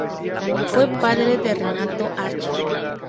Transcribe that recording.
Fue padre de Renato Archer.